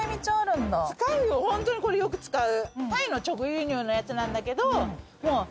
ホントにこれよく使う。